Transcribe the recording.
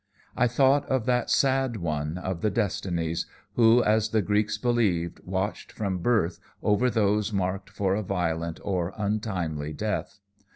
"I thought of that sad one of the Destinies who, as the Greeks believed, watched from birth over those marked for a violent or untimely death.